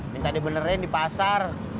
minta dibenerin di pasar